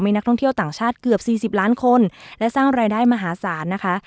นักท่องเที่ยวต่างชาติเกือบ๔๐ล้านคนและสร้างรายได้มหาศาลนะคะ